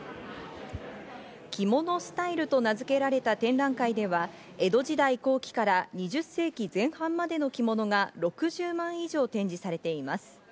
キモノ・スタイルと名付けられた、展覧会では江戸時代後期から２０世紀前半までの着物が６０枚以上展示されています。